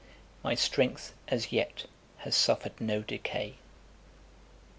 My strength, as yet, has suffered no decay.